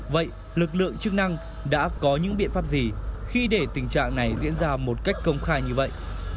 vậy lực lượng chức năng đã có những biện pháp gì khi để tình trạng này diễn ra một cách công khai như vậy